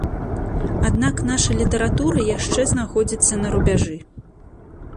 Аднак наша літаратура яшчэ знаходзіцца на рубяжы.